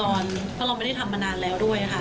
เพราะเราไม่ได้ทำมานานแล้วด้วยค่ะ